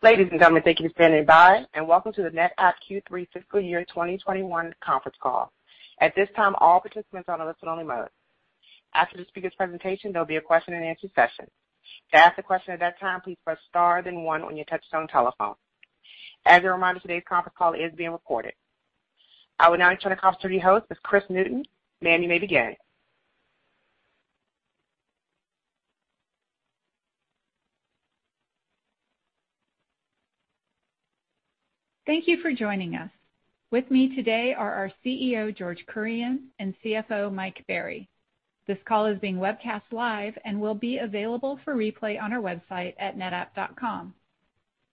Ladies and gentlemen, thank you for standing by, and welcome to the NetApp Q3 fiscal year 2021 conference call. At this time, all participants are on a listen-only mode. After the speaker's presentation, there'll be a question-and-answer session. To ask a question at that time, please press star then one on your touchstone telephone. As a reminder, today's conference call is being recorded. I will now turn the conference to the host, Kris Newton. Ma'am, you may begin. Thank you for joining us. With me today are our CEO, George Kurian, and CFO, Mike Berry. This call is being webcast live and will be available for replay on our website at netapp.com.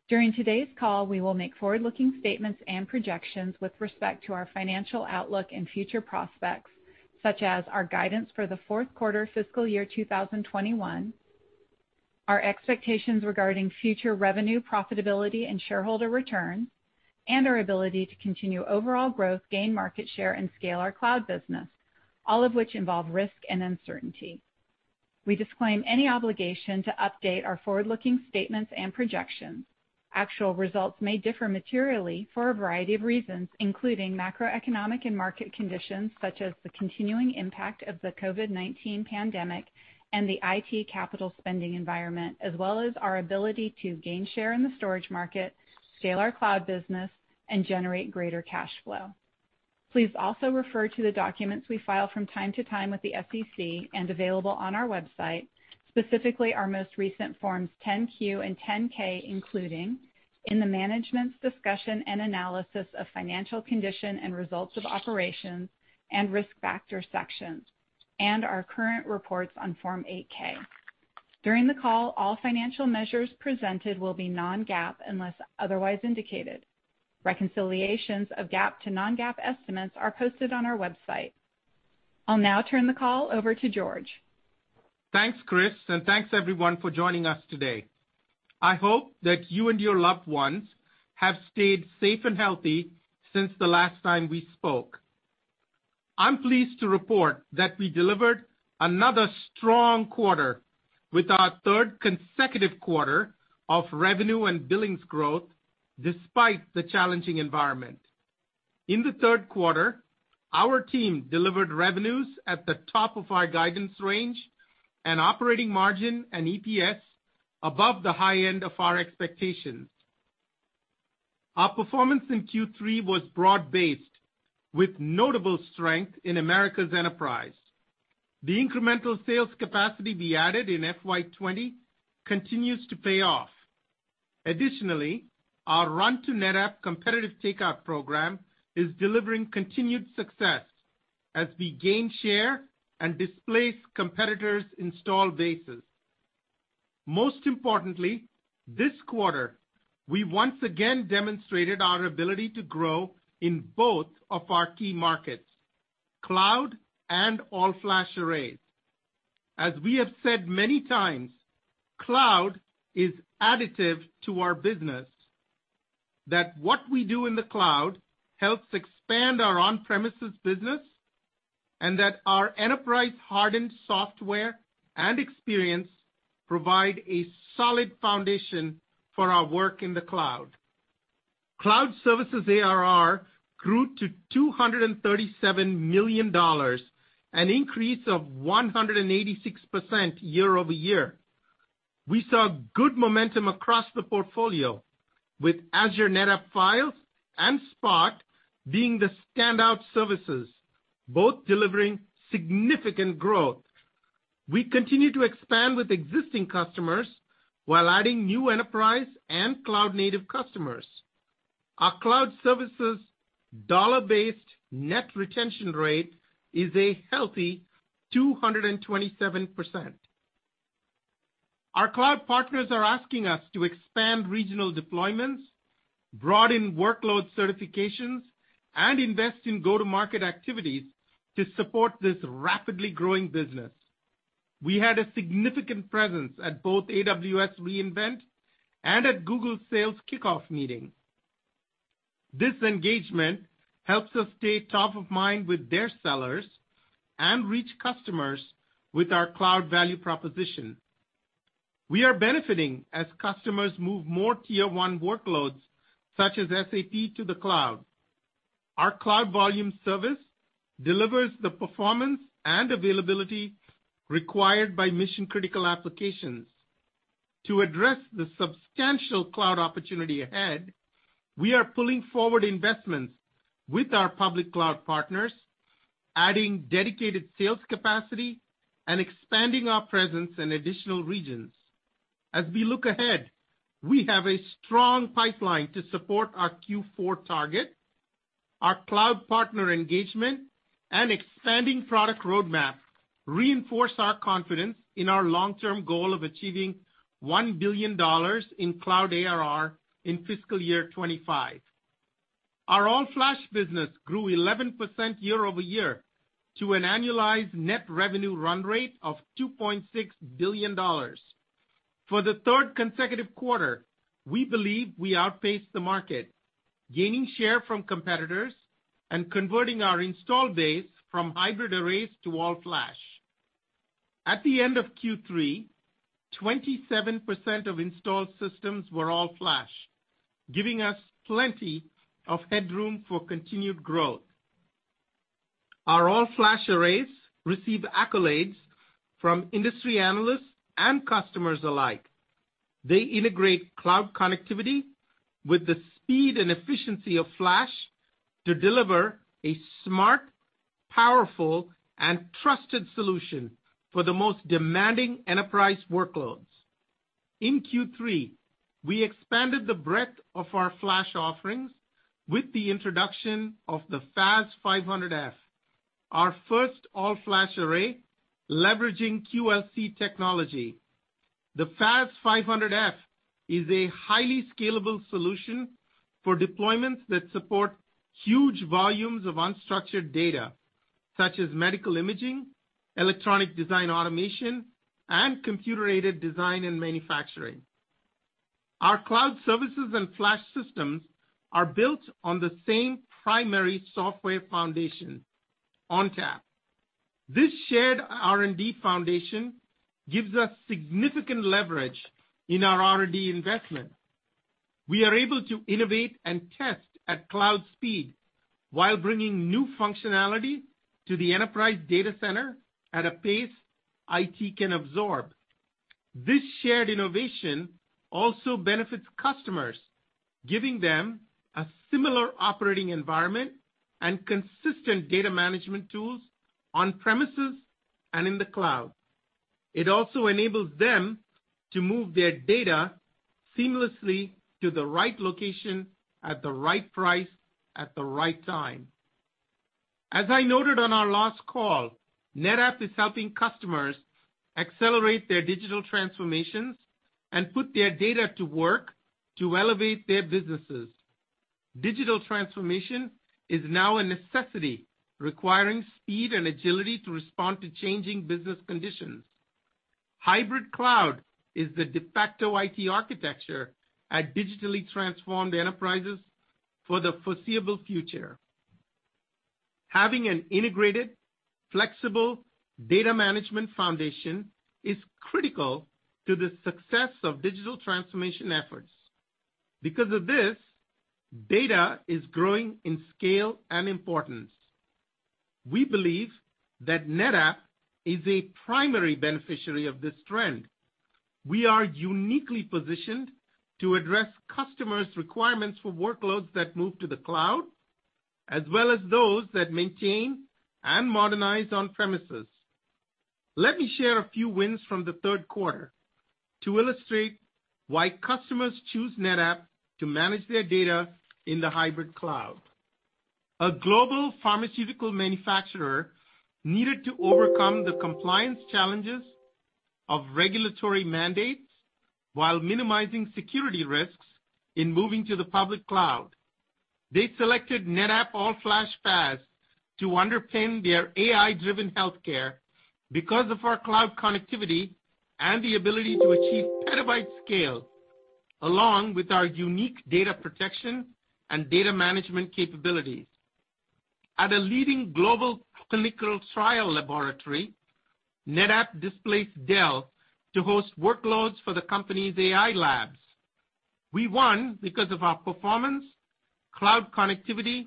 During today's call, we will make forward-looking statements and projections with respect to our financial outlook and future prospects, such as our guidance for the fourth quarter fiscal year 2021, our expectations regarding future revenue, profitability, and shareholder returns, and our ability to continue overall growth, gain market share, and scale our cloud business, all of which involve risk and uncertainty. We disclaim any obligation to update our forward-looking statements and projections. Actual results may differ materially for a variety of reasons, including macroeconomic and market conditions, such as the continuing impact of the COVID-19 pandemic and the IT capital spending environment, as well as our ability to gain share in the storage market, scale our cloud business, and generate greater cash flow. Please also refer to the documents we file from time to time with the SEC and available on our website. Specifically, our most recent forms 10-Q and 10-K, including in the management's discussion and analysis of financial condition and results of operations and risk factor sections, and our current reports on Form 8-K. During the call, all financial measures presented will be non-GAAP unless otherwise indicated. Reconciliations of GAAP to non-GAAP estimates are posted on our website. I'll now turn the call over to George. Thanks, Kris, and thanks, everyone, for joining us today. I hope that you and your loved ones have stayed safe and healthy since the last time we spoke. I'm pleased to report that we delivered another strong quarter with our third consecutive quarter of revenue and billings growth despite the challenging environment. In the third quarter, our team delivered revenues at the top of our guidance range and operating margin and EPS above the high end of our expectations. Our performance in Q3 was broad-based, with notable strength in Americas enterprise. The incremental sales capacity we added in FY 2020 continues to pay off. Additionally, our run-to-NetApp competitive takeout program is delivering continued success as we gain share and displace competitors' installed bases. Most importantly, this quarter, we once again demonstrated our ability to grow in both of our key markets, cloud and all-flash arrays. As we have said many times, cloud is additive to our business, that what we do in the cloud helps expand our on-premises business, and that our enterprise-hardened software and experience provide a solid foundation for our work in the cloud. Cloud services ARR grew to $237 million, an increase of 186% year-over-year. We saw good momentum across the portfolio, with Azure NetApp Files and Spot being the standout services, both delivering significant growth. We continue to expand with existing customers while adding new enterprise and cloud-native customers. Our cloud services' dollar-based net retention rate is a healthy 227%. Our cloud partners are asking us to expand regional deployments, broaden workload certifications, and invest in go-to-market activities to support this rapidly growing business. We had a significant presence at both AWS re:Invent and at Google's sales kickoff meetings. This engagement helps us stay top of mind with their sellers and reach customers with our cloud value proposition. We are benefiting as customers move more tier-one workloads, such as SAP, to the cloud. Our Cloud Volumes Service delivers the performance and availability required by mission-critical applications. To address the substantial cloud opportunity ahead, we are pulling forward investments with our public cloud partners, adding dedicated sales capacity, and expanding our presence in additional regions. As we look ahead, we have a strong pipeline to support our Q4 target. Our cloud partner engagement and expanding product roadmap reinforce our confidence in our long-term goal of achieving $1 billion in cloud ARR in fiscal year 2025. Our all-flash business grew 11% year over year to an annualized net revenue run rate of $2.6 billion. For the third consecutive quarter, we believe we outpaced the market, gaining share from competitors and converting our install base from hybrid arrays to all-flash. At the end of Q3, 27% of installed systems were all-flash, giving us plenty of headroom for continued growth. Our all-flash arrays receive accolades from industry analysts and customers alike. They integrate cloud connectivity with the speed and efficiency of flash to deliver a smart, powerful, and trusted solution for the most demanding enterprise workloads. In Q3, we expanded the breadth of our flash offerings with the introduction of the FAS500f, our first all-flash array leveraging QLC technology. The FAS500f is a highly scalable solution for deployments that support huge volumes of unstructured data, such as medical imaging, electronic design automation, and computer-aided design and manufacturing. Our cloud services and flash systems are built on the same primary software foundation, ONTAP. This shared R&D foundation gives us significant leverage in our R&D investment. We are able to innovate and test at cloud speed while bringing new functionality to the enterprise data center at a pace IT can absorb. This shared innovation also benefits customers, giving them a similar operating environment and consistent data management tools on premises and in the cloud. It also enables them to move their data seamlessly to the right location at the right price at the right time. As I noted on our last call, NetApp is helping customers accelerate their digital transformations and put their data to work to elevate their businesses. Digital transformation is now a necessity, requiring speed and agility to respond to changing business conditions. Hybrid cloud is the de facto IT architecture at digitally transformed enterprises for the foreseeable future. Having an integrated, flexible data management foundation is critical to the success of digital transformation efforts. Because of this, data is growing in scale and importance. We believe that NetApp is a primary beneficiary of this trend. We are uniquely positioned to address customers' requirements for workloads that move to the cloud, as well as those that maintain and modernize on premises. Let me share a few wins from the third quarter to illustrate why customers choose NetApp to manage their data in the hybrid cloud. A global pharmaceutical manufacturer needed to overcome the compliance challenges of regulatory mandates while minimizing security risks in moving to the public cloud. They selected NetApp all-flash FAS to underpin their AI-driven healthcare because of our cloud connectivity and the ability to achieve petabyte scale, along with our unique data protection and data management capabilities. At a leading global clinical trial laboratory, NetApp displaced Dell to host workloads for the company's AI labs. We won because of our performance, cloud connectivity,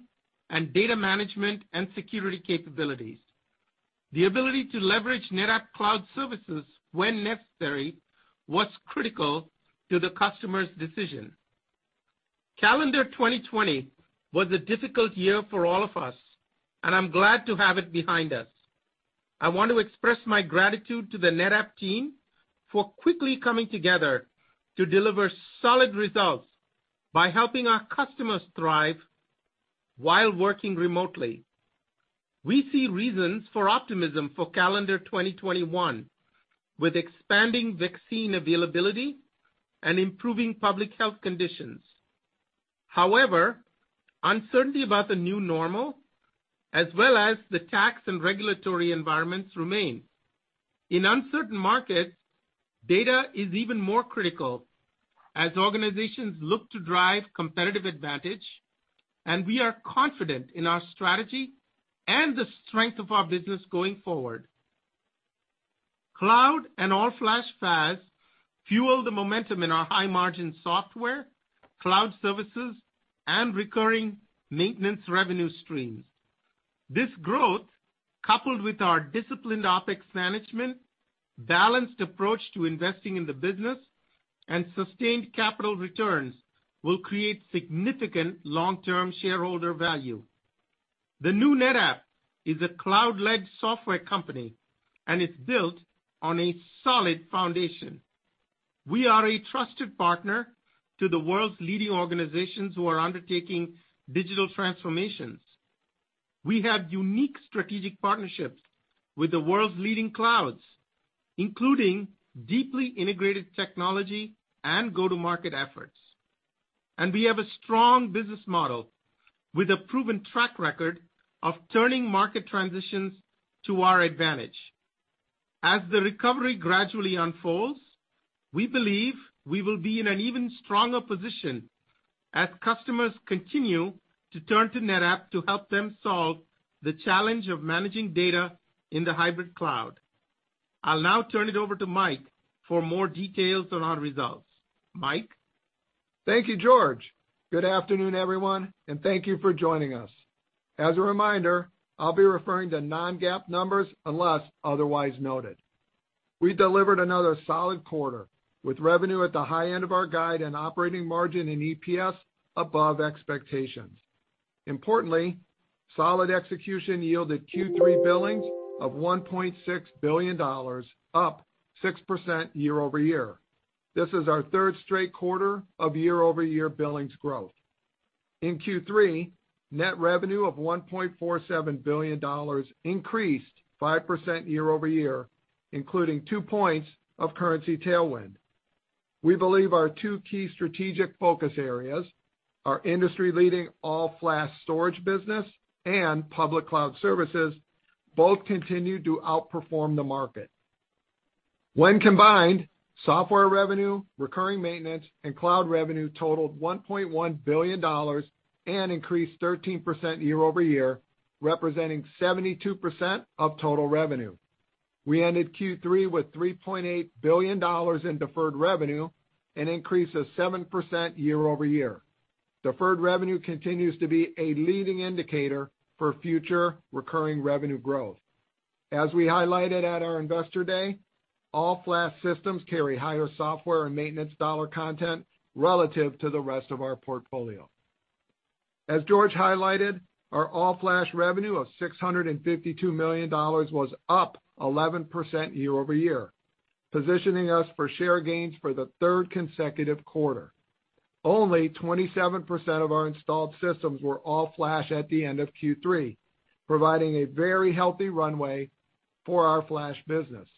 and data management and security capabilities. The ability to leverage NetApp Cloud Services when necessary was critical to the customer's decision. Calendar 2020 was a difficult year for all of us, and I'm glad to have it behind us. I want to express my gratitude to the NetApp team for quickly coming together to deliver solid results by helping our customers thrive while working remotely. We see reasons for optimism for Calendar 2021, with expanding vaccine availability and improving public health conditions. However, uncertainty about the new normal, as well as the tax and regulatory environments, remains. In uncertain markets, data is even more critical as organizations look to drive competitive advantage, and we are confident in our strategy and the strength of our business going forward. Cloud and all-flash FAS fuel the momentum in our high-margin software, cloud services, and recurring maintenance revenue streams. This growth, coupled with our disciplined OpEx management, balanced approach to investing in the business, and sustained capital returns, will create significant long-term shareholder value. The new NetApp is a cloud-led software company, and it's built on a solid foundation. We are a trusted partner to the world's leading organizations who are undertaking digital transformations. We have unique strategic partnerships with the world's leading clouds, including deeply integrated technology and go-to-market efforts. We have a strong business model with a proven track record of turning market transitions to our advantage. As the recovery gradually unfolds, we believe we will be in an even stronger position as customers continue to turn to NetApp to help them solve the challenge of managing data in the hybrid cloud. I'll now turn it over to Mike for more details on our results. Mike. Thank you, George. Good afternoon, everyone, and thank you for joining us. As a reminder, I'll be referring to non-GAAP numbers unless otherwise noted. We delivered another solid quarter with revenue at the high end of our guide and operating margin and EPS above expectations. Importantly, solid execution yielded Q3 billings of $1.6 billion, up 6% year-over-year. This is our third straight quarter of year-over-year billings growth. In Q3, net revenue of $1.47 billion increased 5% year over year, including two points of currency tailwind. We believe our two key strategic focus areas, our industry-leading all-flash storage business and public cloud services, both continue to outperform the market. When combined, software revenue, recurring maintenance, and cloud revenue totaled $1.1 billion and increased 13% year-over-year, representing 72% of total revenue. We ended Q3 with $3.8 billion in deferred revenue, an increase of 7% year-over-year. Deferred revenue continues to be a leading indicator for future recurring revenue growth. As we highlighted at our investor day, all-flash systems carry higher software and maintenance dollar content relative to the rest of our portfolio. As George highlighted, our all-flash revenue of $652 million was up 11% year-over-year, positioning us for share gains for the third consecutive quarter. Only 27% of our installed systems were all-flash at the end of Q3, providing a very healthy runway for our flash business.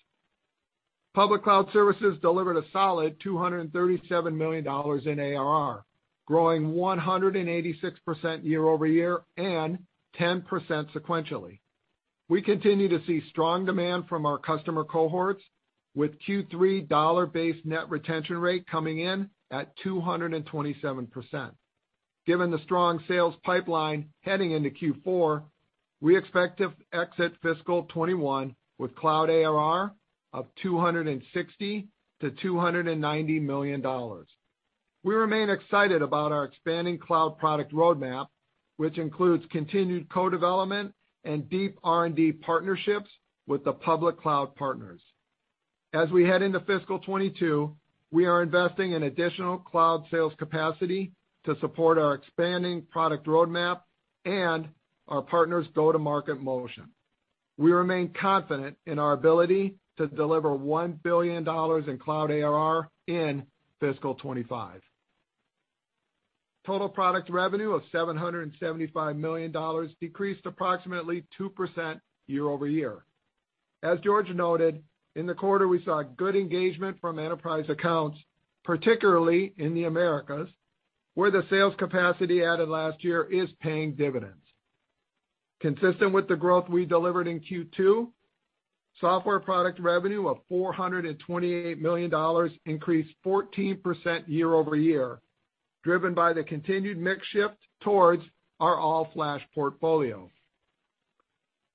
Public cloud services delivered a solid $237 million in ARR, growing 186% year over year and 10% sequentially. We continue to see strong demand from our customer cohorts, with Q3 dollar-based net retention rate coming in at 227%. Given the strong sales pipeline heading into Q4, we expect to exit fiscal 2021 with cloud ARR of $260-$290 million. We remain excited about our expanding cloud product roadmap, which includes continued co-development and deep R&D partnerships with the public cloud partners. As we head into fiscal 2022, we are investing in additional cloud sales capacity to support our expanding product roadmap and our partners' go-to-market motion. We remain confident in our ability to deliver $1 billion in cloud ARR in fiscal 2025. Total product revenue of $775 million decreased approximately 2% year-over-year. As George noted, in the quarter, we saw good engagement from enterprise accounts, particularly in the Americas, where the sales capacity added last year is paying dividends. Consistent with the growth we delivered in Q2, software product revenue of $428 million increased 14% year-over-year, driven by the continued mix shift towards our all-flash portfolio.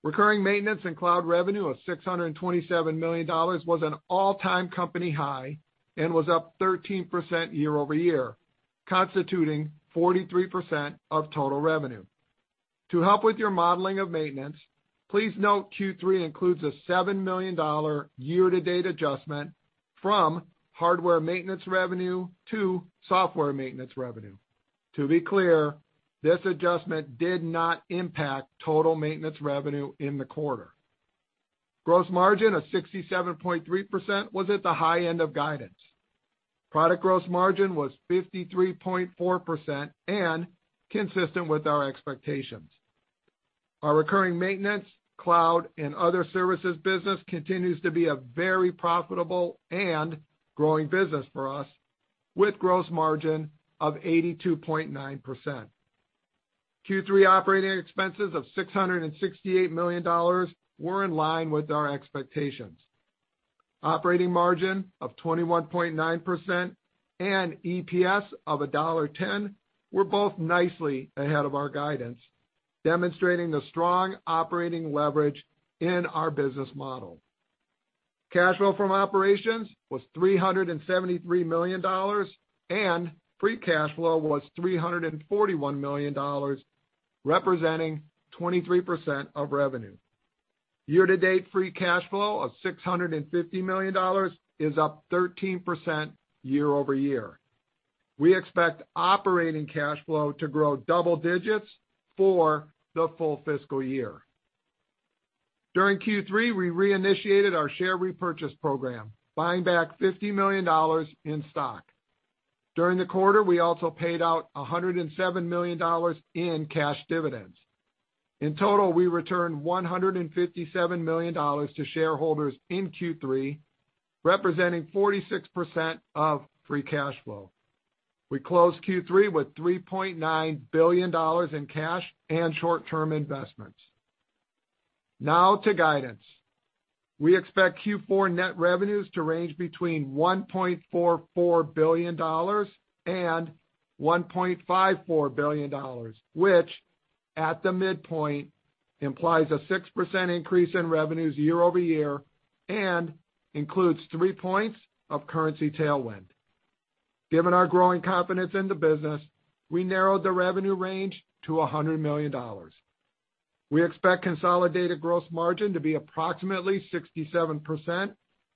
Recurring maintenance and cloud revenue of $627 million was an all-time company high and was up 13% year-over-year, constituting 43% of total revenue. To help with your modeling of maintenance, please note Q3 includes a $7 million year-to-date adjustment from hardware maintenance revenue to software maintenance revenue. To be clear, this adjustment did not impact total maintenance revenue in the quarter. Gross margin of 67.3% was at the high end of guidance. Product gross margin was 53.4% and consistent with our expectations. Our recurring maintenance, cloud, and other services business continues to be a very profitable and growing business for us, with gross margin of 82.9%. Q3 operating expenses of $668 million were in line with our expectations. Operating margin of 21.9% and EPS of $1.10 were both nicely ahead of our guidance, demonstrating the strong operating leverage in our business model. Cash flow from operations was $373 million, and free cash flow was $341 million, representing 23% of revenue. Year-to-date free cash flow of $650 million is up 13% year-over-year. We expect operating cash flow to grow double digits for the full fiscal year. During Q3, we reinitiated our share repurchase program, buying back $50 million in stock. During the quarter, we also paid out $107 million in cash dividends. In total, we returned $157 million to shareholders in Q3, representing 46% of free cash flow. We closed Q3 with $3.9 billion in cash and short-term investments. Now to guidance. We expect Q4 net revenues to range between $1.44 billion and $1.54 billion, which at the midpoint implies a 6% increase in revenues year-over-year and includes three points of currency tailwind. Given our growing confidence in the business, we narrowed the revenue range to $100 million. We expect consolidated gross margin to be approximately 67%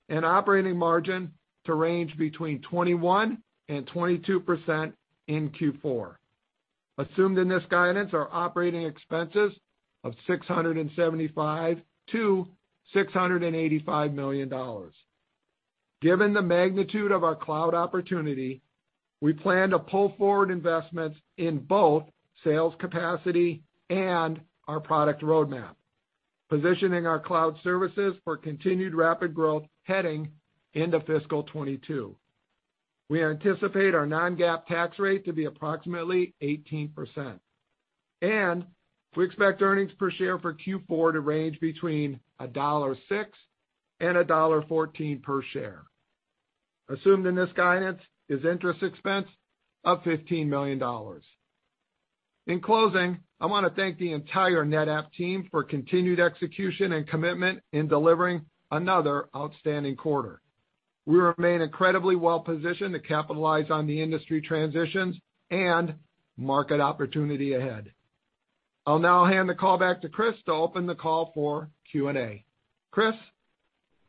and operating margin to range between 21%-22% in Q4. Assumed in this guidance are operating expenses of $675-$685 million. Given the magnitude of our cloud opportunity, we plan to pull forward investments in both sales capacity and our product roadmap, positioning our cloud services for continued rapid growth heading into fiscal 2022. We anticipate our non-GAAP tax rate to be approximately 18%. We expect earnings per share for Q4 to range between $1.06-$1.14 per share. Assumed in this guidance is interest expense of $15 million. In closing, I want to thank the entire NetApp team for continued execution and commitment in delivering another outstanding quarter. We remain incredibly well-positioned to capitalize on the industry transitions and market opportunity ahead. I'll now hand the call back to Kris to open the call for Q&A. Kris.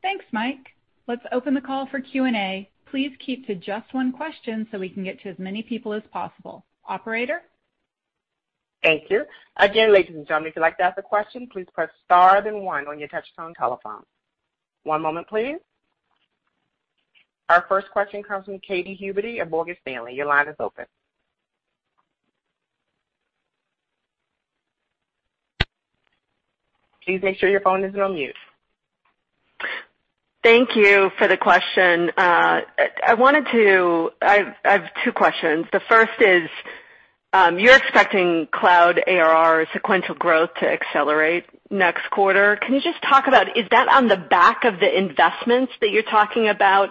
Thanks, Mike. Let's open the call for Q&A. Please keep to just one question so we can get to as many people as possible. Operator? Thank you. Again, ladies and gentlemen, if you'd like to ask a question, please press star then one on your touch-tone telephone. One moment, please. Our first question comes from Katy Huberty of Morgan Stanley. Your line is open. Please make sure your phone isn't on mute. Thank you for the question. I wanted to—I have two questions. The first is, you're expecting cloud ARR sequential growth to accelerate next quarter. Can you just talk about—is that on the back of the investments that you're talking about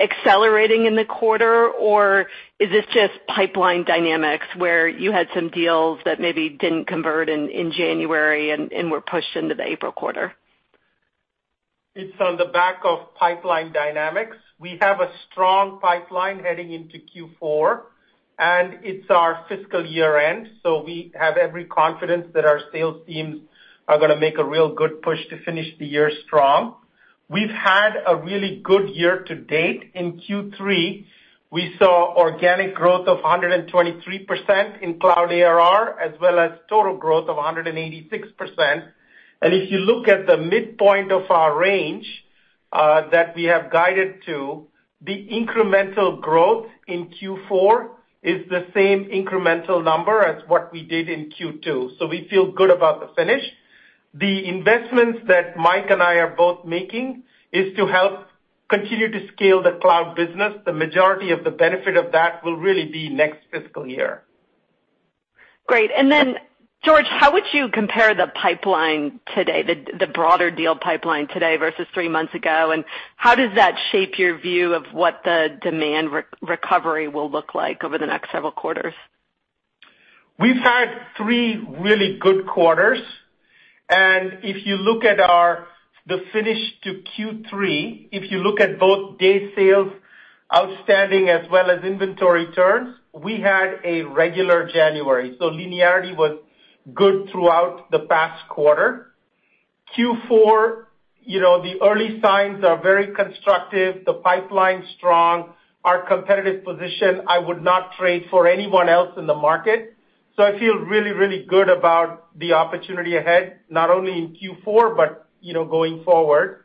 accelerating in the quarter, or is this just pipeline dynamics where you had some deals that maybe didn't convert in January and were pushed into the April quarter? It's on the back of pipeline dynamics. We have a strong pipeline heading into Q4, and it's our fiscal year-end, so we have every confidence that our sales teams are going to make a real good push to finish the year strong. We've had a really good year to date. In Q3, we saw organic growth of 123% in cloud ARR, as well as total growth of 186%. If you look at the midpoint of our range that we have guided to, the incremental growth in Q4 is the same incremental number as what we did in Q2. We feel good about the finish. The investments that Mike and I are both making is to help continue to scale the cloud business. The majority of the benefit of that will really be next fiscal year. Great. George, how would you compare the pipeline today, the broader deal pipeline today versus three months ago? How does that shape your view of what the demand recovery will look like over the next several quarters? We've had three really good quarters. If you look at the finish to Q3, if you look at both days sales outstanding, as well as inventory turns, we had a regular January. Linearity was good throughout the past quarter. Q4, the early signs are very constructive. The pipeline's strong. Our competitive position, I would not trade for anyone else in the market. I feel really, really good about the opportunity ahead, not only in Q4 but going forward.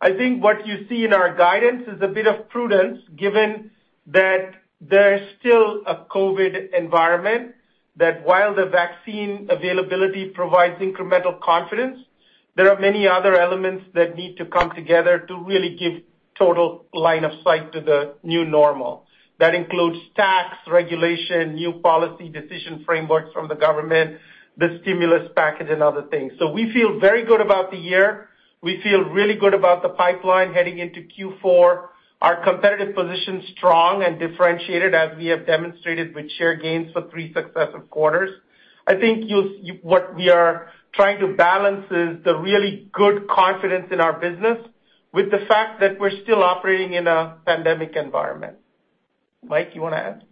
I think what you see in our guidance is a bit of prudence, given that there's still a COVID environment, that while the vaccine availability provides incremental confidence, there are many other elements that need to come together to really give total line of sight to the new normal. That includes tax, regulation, new policy decision frameworks from the government, the stimulus package, and other things. We feel very good about the year. We feel really good about the pipeline heading into Q4. Our competitive position's strong and differentiated, as we have demonstrated with share gains for three successive quarters. I think what we are trying to balance is the really good confidence in our business with the fact that we're still operating in a pandemic environment. Mike, you want to add?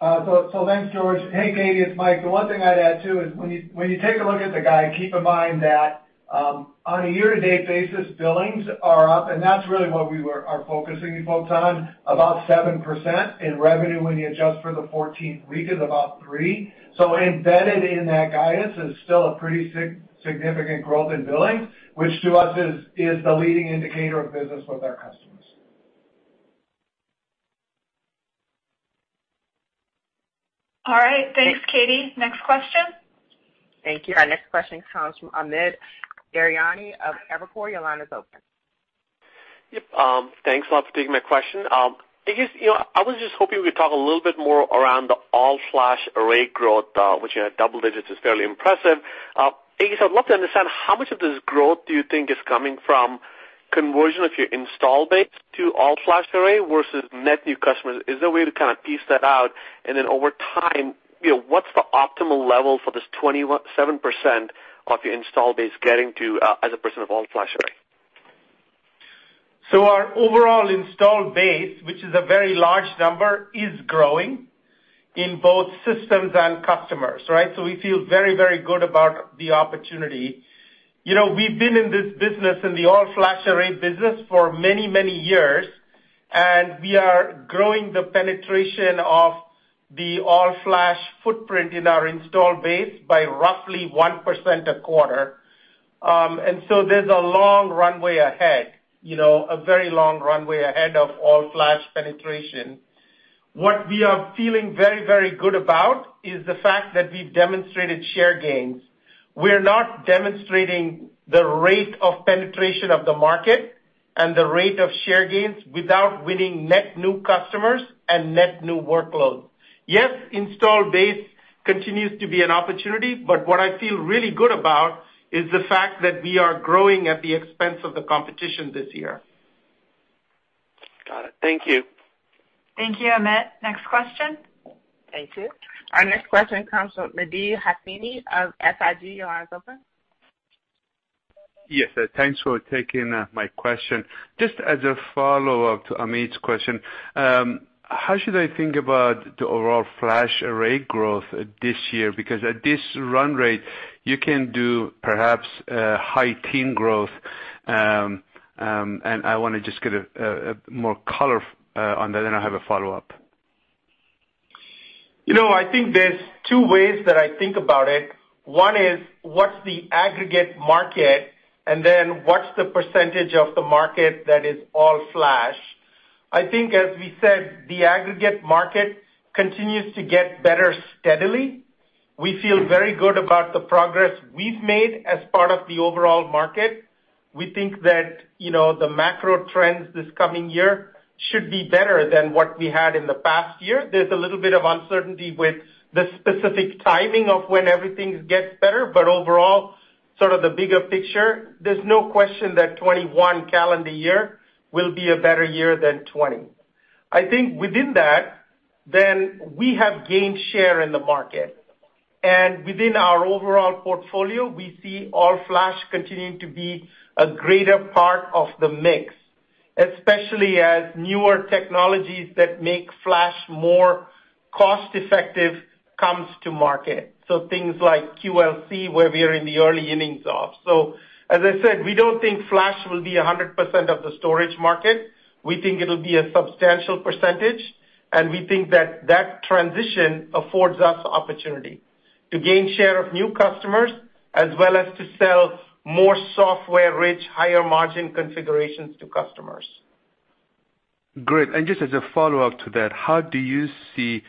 Thanks, George. Hey, Katy, it's Mike. The one thing I'd add too is when you take a look at the guide, keep in mind that on a year-to-date basis, billings are up, and that's really what we are focusing folks on, about 7% in revenue when you adjust for the '14 region, about 3%. Embedded in that guidance is still a pretty significant growth in billings, which to us is the leading indicator of business with our customers. All right. Thanks, Katy. Next question. Thank you. Our next question comes from Amit Daryanani of Evercore. Your line is open. Yep. Thanks a lot for taking my question. I was just hoping we could talk a little bit more around the all-flash array growth, which in double digits is fairly impressive. I guess I'd love to understand how much of this growth do you think is coming from conversion of your install base to all-flash array versus net new customers? Is there a way to kind of piece that out? Over time, what's the optimal level for this 27% of your install base getting to as a percent of all-flash array? Our overall install base, which is a very large number, is growing in both systems and customers, right? We feel very, very good about the opportunity. We've been in this business, in the all-flash array business, for many, many years, and we are growing the penetration of the all-flash footprint in our install base by roughly 1% a quarter. There is a long runway ahead, a very long runway ahead of all-flash penetration. What we are feeling very, very good about is the fact that we've demonstrated share gains. We're not demonstrating the rate of penetration of the market and the rate of share gains without winning net new customers and net new workloads. Yes, install base continues to be an opportunity, but what I feel really good about is the fact that we are growing at the expense of the competition this year. Got it. Thank you. Thank you, Ahmed. Next question. Thank you. Our next question comes from Mehdi Hosseini of SIG. Your line is open. Yes. Thanks for taking my question. Just as a follow-up to Amit's question, how should I think about the overall flash array growth this year? Because at this run rate, you can do perhaps high teen growth. I want to just get more color on that, and I have a follow-up. I think there's two ways that I think about it. One is, what's the aggregate market, and then what's the percentage of the market that is all-flash? I think, as we said, the aggregate market continues to get better steadily. We feel very good about the progress we've made as part of the overall market. We think that the macro trends this coming year should be better than what we had in the past year. There's a little bit of uncertainty with the specific timing of when everything gets better, but overall, sort of the bigger picture, there's no question that 2021 calendar year will be a better year than 2020. I think within that, then we have gained share in the market. Within our overall portfolio, we see all-flash continuing to be a greater part of the mix, especially as newer technologies that make flash more cost-effective come to market. Things like QLC, where we are in the early innings of. As I said, we do not think flash will be 100% of the storage market. We think it will be a substantial percentage, and we think that transition affords us opportunity to gain share of new customers as well as to sell more software-rich, higher margin configurations to customers. Great. Just as a follow-up to that, how do you see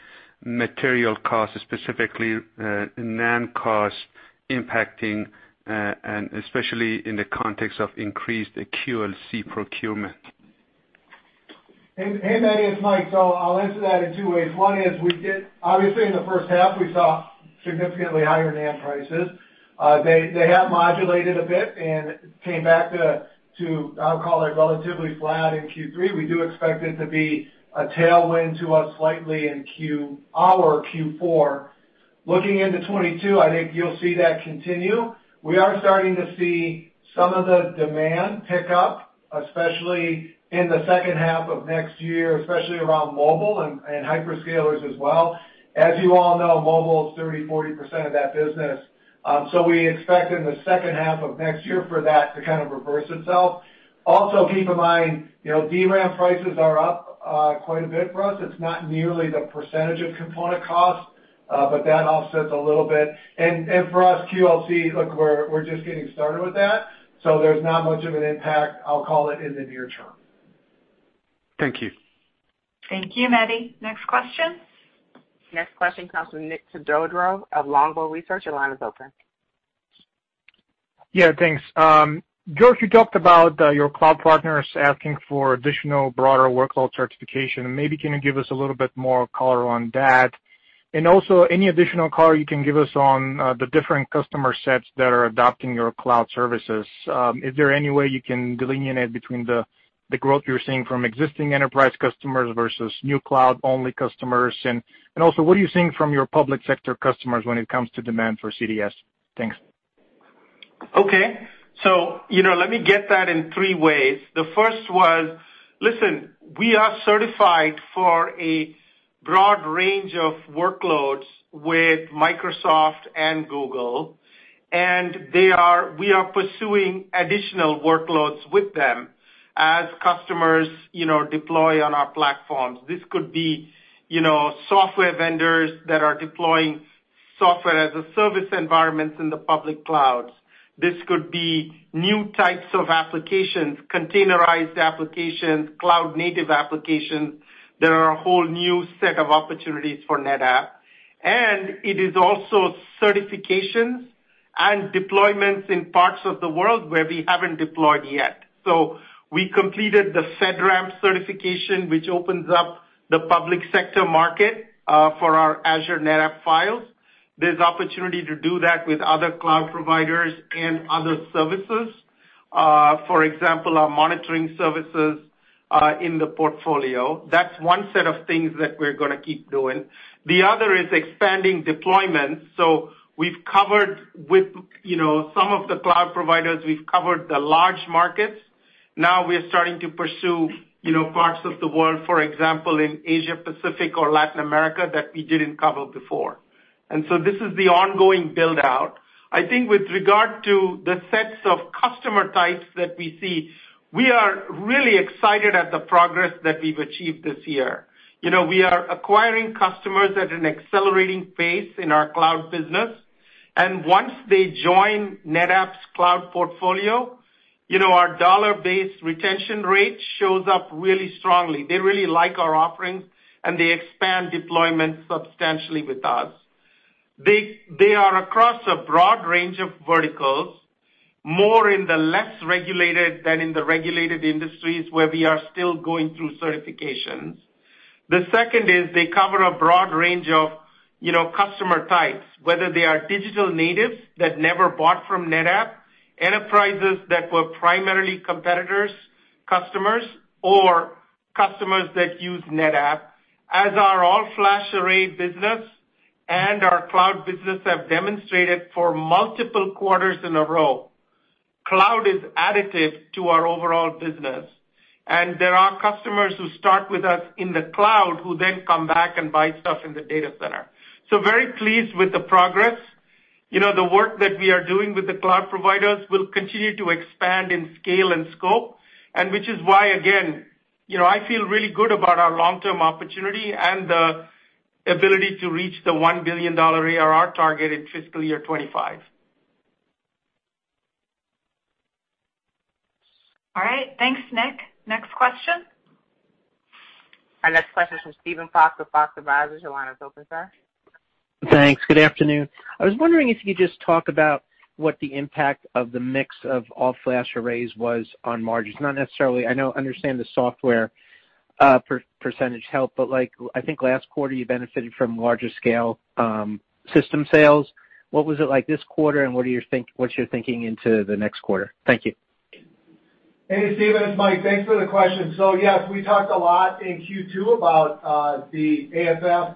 material costs, specifically NAND costs, impacting, especially in the context of increased QLC procurement? Hey, that is Mike. I'll answer that in two ways. One is, obviously, in the first half, we saw significantly higher NAND prices. They have modulated a bit and came back to, I'll call it, relatively flat in Q3. We do expect it to be a tailwind to us slightly in our Q4. Looking into 2022, I think you'll see that continue. We are starting to see some of the demand pick up, especially in the second half of next year, especially around mobile and hyperscalers as well. As you all know, mobile is 30%-40% of that business. We expect in the second half of next year for that to kind of reverse itself. Also, keep in mind, DRAM prices are up quite a bit for us. It's not nearly the percentage of component cost, but that offsets a little bit. For us, QLC, look, we're just getting started with that. There's not much of an impact, I'll call it, in the near term. Thank you. Thank you, Mehdi. Next question. Next question comes from Nik Todorov of Longbow Research. Your line is open. Yeah. Thanks. George, you talked about your cloud partners asking for additional broader workload certification. Maybe can you give us a little bit more color on that? Also, any additional color you can give us on the different customer sets that are adopting your cloud services? Is there any way you can delineate between the growth you're seeing from existing enterprise customers versus new cloud-only customers? Also, what are you seeing from your public sector customers when it comes to demand for CDS? Thanks. Okay. Let me get that in three ways. The first was, listen, we are certified for a broad range of workloads with Microsoft and Google, and we are pursuing additional workloads with them as customers deploy on our platforms. This could be software vendors that are deploying software as a service environments in the public clouds. This could be new types of applications, containerized applications, cloud-native applications. There are a whole new set of opportunities for NetApp. It is also certifications and deployments in parts of the world where we have not deployed yet. We completed the FedRAMP certification, which opens up the public sector market for our Azure NetApp Files. There is opportunity to do that with other cloud providers and other services. For example, our monitoring services in the portfolio. That is one set of things that we are going to keep doing. The other is expanding deployments. We have covered with some of the cloud providers, we have covered the large markets. Now we are starting to pursue parts of the world, for example, in Asia-Pacific or Latin America that we did not cover before. This is the ongoing build-out. I think with regard to the sets of customer types that we see, we are really excited at the progress that we have achieved this year. We are acquiring customers at an accelerating pace in our cloud business. Once they join NetApp's cloud portfolio, our dollar-based retention rate shows up really strongly. They really like our offerings, and they expand deployments substantially with us. They are across a broad range of verticals, more in the less regulated than in the regulated industries where we are still going through certifications. The second is they cover a broad range of customer types, whether they are digital natives that never bought from NetApp, enterprises that were primarily competitors' customers, or customers that use NetApp. As our all-flash array business and our cloud business have demonstrated for multiple quarters in a row, cloud is additive to our overall business. There are customers who start with us in the cloud who then come back and buy stuff in the data center. Very pleased with the progress. The work that we are doing with the cloud providers will continue to expand in scale and scope, which is why, again, I feel really good about our long-term opportunity and the ability to reach the $1 billion ARR target in fiscal year 2025. All right. Thanks, Nik. Next question. Our next question is from Steven Fox with Fox Advisors. Your line is open, sir. Thanks. Good afternoon. I was wondering if you could just talk about what the impact of the mix of all-flash arrays was on margin. It's not necessarily—I know I understand the software percentage help, but I think last quarter you benefited from larger-scale system sales. What was it like this quarter, and what's your thinking into the next quarter? Thank you. Hey, Steven. It's Mike. Thanks for the question. Yes, we talked a lot in Q2 about the AFF,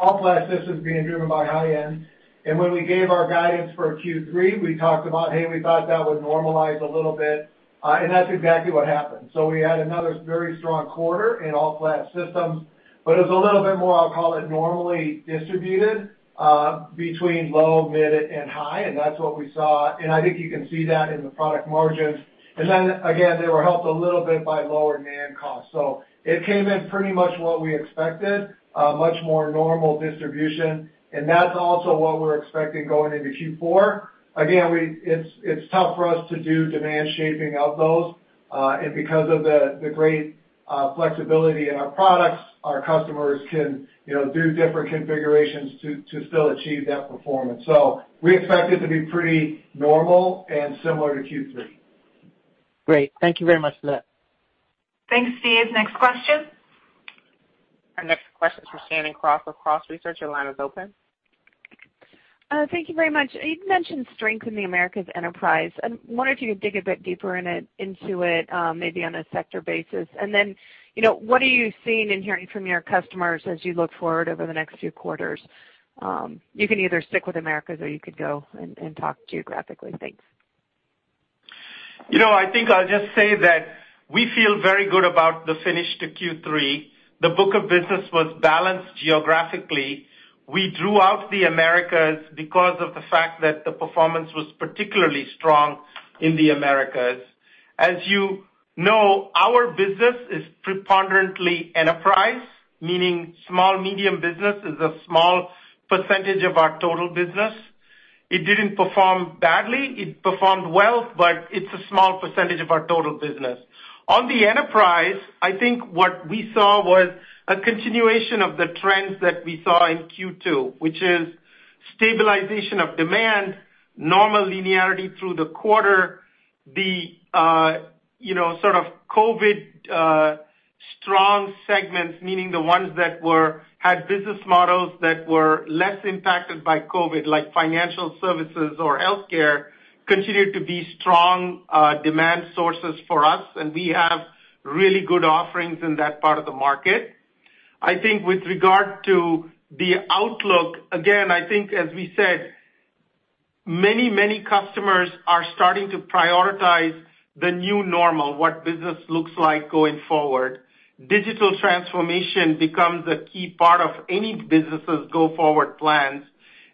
all-flash systems being driven by high-end. When we gave our guidance for Q3, we talked about, "Hey, we thought that would normalize a little bit." That is exactly what happened. We had another very strong quarter in all-flash systems, but it was a little bit more, I'll call it, normally distributed between low, mid, and high. That is what we saw. I think you can see that in the product margins. They were helped a little bit by lower NAND costs. It came in pretty much what we expected, much more normal distribution. That is also what we're expecting going into Q4. Again, it's tough for us to do demand shaping of those. Because of the great flexibility in our products, our customers can do different configurations to still achieve that performance. We expect it to be pretty normal and similar to Q3. Great. Thank you very much for that. Thanks, Steve. Next question. Our next question is from Shannon Cross with Cross Research. Your line is open. Thank you very much. You mentioned strengthening Americas enterprise. I wonder if you could dig a bit deeper into it, maybe on a sector basis. Then what are you seeing and hearing from your customers as you look forward over the next few quarters? You can either stick with Americas or you could go and talk geographically. Thanks. I think I'll just say that we feel very good about the finish to Q3. The book of business was balanced geographically. We drew out the Americas because of the fact that the performance was particularly strong in the Americas. As you know, our business is preponderantly enterprise, meaning small, medium business is a small percentage of our total business. It didn't perform badly. It performed well, but it's a small percentage of our total business. On the enterprise, I think what we saw was a continuation of the trends that we saw in Q2, which is stabilization of demand, normal linearity through the quarter, the sort of COVID-strong segments, meaning the ones that had business models that were less impacted by COVID, like financial services or healthcare, continued to be strong demand sources for us. We have really good offerings in that part of the market. I think with regard to the outlook, again, I think, as we said, many, many customers are starting to prioritize the new normal, what business looks like going forward. Digital transformation becomes a key part of any business's go-forward plans.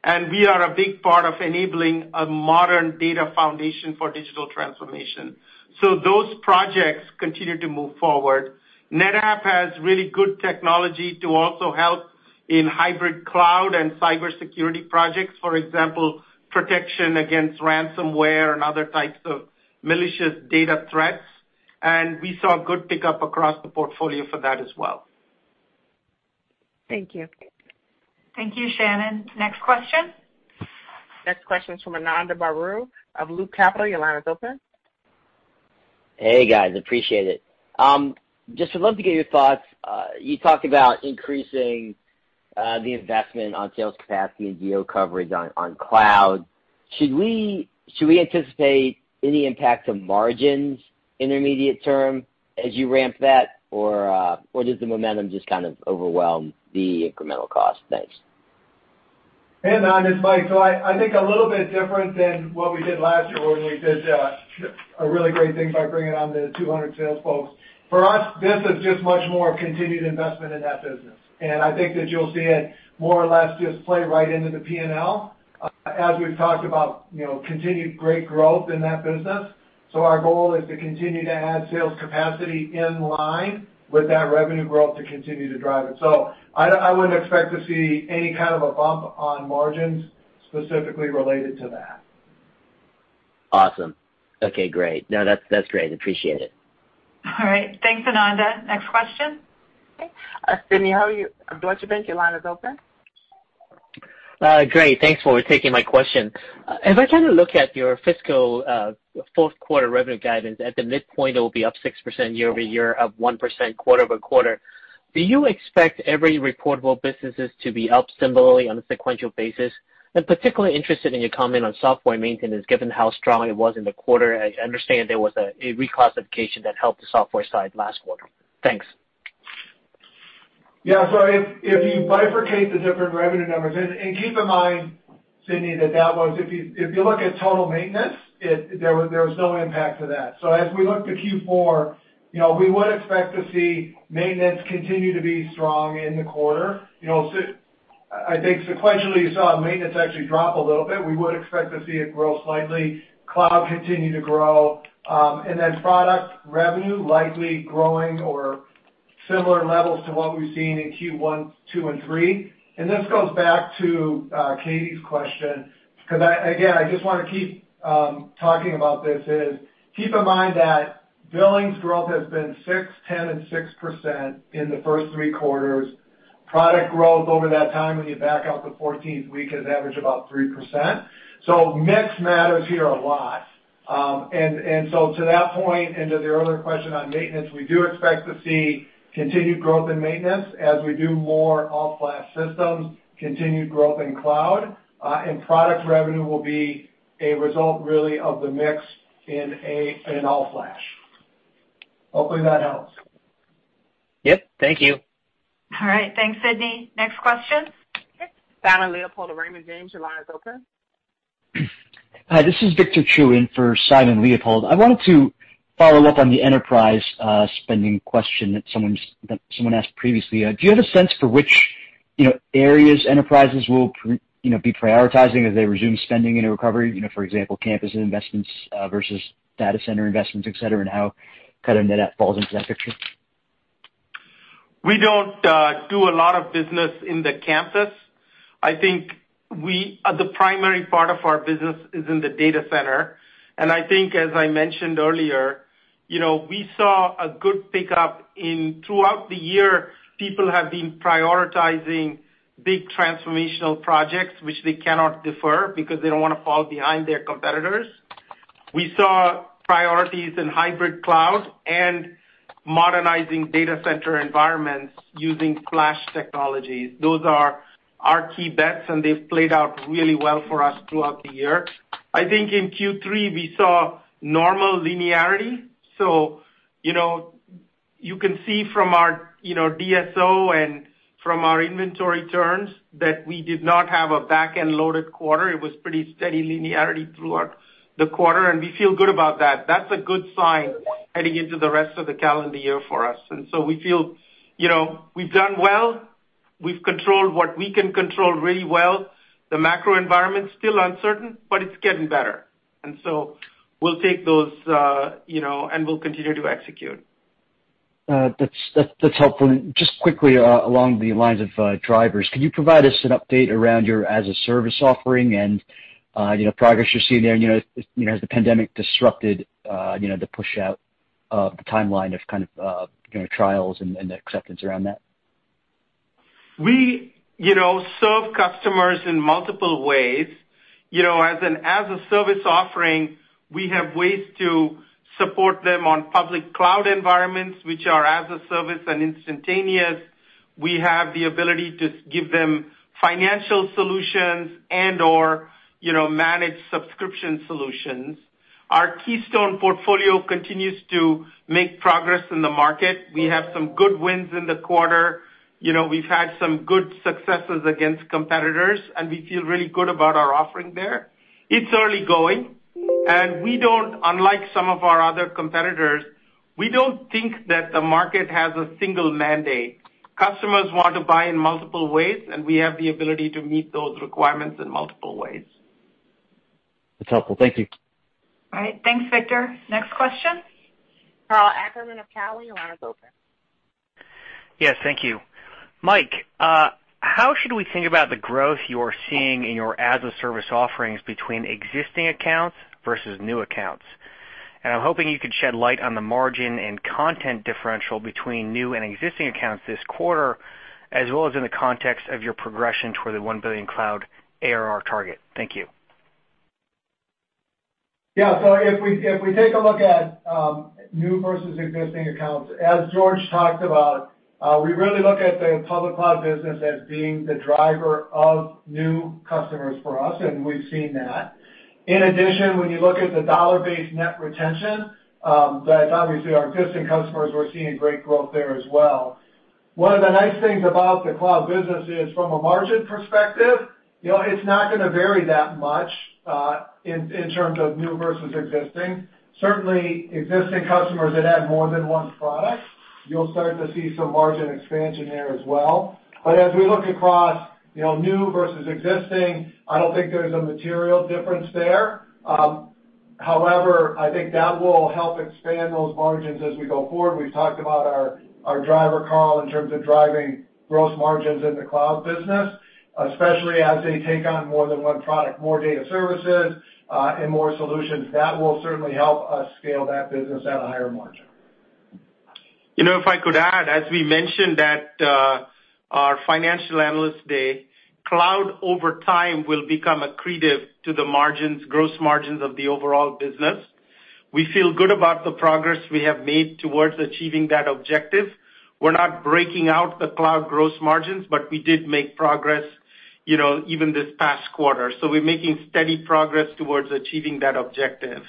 And we are a big part of enabling a modern data foundation for digital transformation. Those projects continue to move forward. NetApp has really good technology to also help in hybrid cloud and cybersecurity projects, for example, protection against ransomware and other types of malicious data threats. We saw good pickup across the portfolio for that as well. Thank you. Thank you, Shannon. Next question. Next question is from Ananda Baruah of Loop Capital. Your line is open. Hey, guys. Appreciate it. Just would love to get your thoughts. You talked about increasing the investment on sales capacity and geocoverage on cloud. Should we anticipate any impact to margins intermediate term as you ramp that, or does the momentum just kind of overwhelm the incremental cost? Thanks. Hey, Anunda. It's Mike. I think a little bit different than what we did last year when we did a really great thing by bringing on the 200 sales folks. For us, this is just much more continued investment in that business. I think that you'll see it more or less just play right into the P&L as we've talked about continued great growth in that business. Our goal is to continue to add sales capacity in line with that revenue growth to continue to drive it. I wouldn't expect to see any kind of a bump on margins specifically related to that. Awesome. Okay. Great. No, that's great. Appreciate it. All right. Thanks, Anunda. Next question. Okay. Sidney Ho at Deutsche Bank. Your line is open. Great. Thanks for taking my question. As I kind of look at your fiscal fourth-quarter revenue guidance, at the midpoint, it will be up 6% year-over-year, up 1% quarter-over-quarter. Do you expect every reportable business to be up similarly on a sequential basis? I'm particularly interested in your comment on software maintenance given how strong it was in the quarter. I understand there was a reclassification that helped the software side last quarter. Thanks. Yeah. If you bifurcate the different revenue numbers—and keep in mind, Sidney, that that was—if you look at total maintenance, there was no impact to that. As we look to Q4, we would expect to see maintenance continue to be strong in the quarter. I think sequentially, you saw maintenance actually drop a little bit. We would expect to see it grow slightly, cloud continue to grow, and then product revenue likely growing or similar levels to what we've seen in Q1, Q2, and Q3. This goes back to Katie's question because, again, I just want to keep talking about this: keep in mind that billing's growth has been 6%, 10%, and 6% in the first three quarters. Product growth over that time when you back out the 14th week has averaged about 3%. Mix matters here a lot. To that point and to the earlier question on maintenance, we do expect to see continued growth in maintenance as we do more all-flash systems, continued growth in cloud, and product revenue will be a result really of the mix in all-flash. Hopefully, that helps. Yep. Thank you. All right. Thanks, Sidney. Next question. Simon Leopold of Raymond James. Your line is open. Hi. This is Victor Chiu in for Simon Leopold. I wanted to follow up on the enterprise spending question that someone asked previously. Do you have a sense for which areas enterprises will be prioritizing as they resume spending in a recovery, for example, campus investments versus data center investments, etc., and how kind of NetApp falls into that picture? We don't do a lot of business in the campus. I think the primary part of our business is in the data center. I think, as I mentioned earlier, we saw a good pickup throughout the year. People have been prioritizing big transformational projects, which they cannot defer because they don't want to fall behind their competitors. We saw priorities in hybrid cloud and modernizing data center environments using flash technologies. Those are our key bets, and they've played out really well for us throughout the year. I think in Q3, we saw normal linearity. You can see from our DSO and from our inventory terms that we did not have a back-end loaded quarter. It was pretty steady linearity throughout the quarter, and we feel good about that. That's a good sign heading into the rest of the calendar year for us. We feel we have done well. We have controlled what we can control really well. The macro environment is still uncertain, but it is getting better. We will take those, and we will continue to execute. That's helpful. Just quickly along the lines of drivers, could you provide us an update around your as-a-service offering and progress you're seeing there? Has the pandemic disrupted the push-out timeline of kind of trials and acceptance around that? We serve customers in multiple ways. As an as-a-service offering, we have ways to support them on public cloud environments, which are as-a-service and instantaneous. We have the ability to give them financial solutions and/or manage subscription solutions. Our Keystone portfolio continues to make progress in the market. We have some good wins in the quarter. We've had some good successes against competitors, and we feel really good about our offering there. It's early going, and we don't—unlike some of our other competitors—we don't think that the market has a single mandate. Customers want to buy in multiple ways, and we have the ability to meet those requirements in multiple ways. That's helpful. Thank you. All right. Thanks, Victor. Next question. Karl Ackerman of Cowen and Company. Your line is open. Yes. Thank you. Mike, how should we think about the growth you're seeing in your as-a-service offerings between existing accounts versus new accounts? I'm hoping you could shed light on the margin and content differential between new and existing accounts this quarter, as well as in the context of your progression toward the $1 billion cloud ARR target. Thank you. Yeah. If we take a look at new versus existing accounts, as George talked about, we really look at the public cloud business as being the driver of new customers for us, and we've seen that. In addition, when you look at the dollar-based net retention, that's obviously our existing customers. We're seeing great growth there as well. One of the nice things about the cloud business is, from a margin perspective, it's not going to vary that much in terms of new versus existing. Certainly, existing customers that have more than one product, you'll start to see some margin expansion there as well. As we look across new versus existing, I don't think there's a material difference there. However, I think that will help expand those margins as we go forward. We've talked about our driver, Karl, in terms of driving gross margins in the cloud business, especially as they take on more than one product, more data services, and more solutions. That will certainly help us scale that business at a higher margin. If I could add, as we mentioned at our financial analyst day, cloud over time will become accretive to the gross margins of the overall business. We feel good about the progress we have made towards achieving that objective. We're not breaking out the cloud gross margins, but we did make progress even this past quarter. We're making steady progress towards achieving that objective.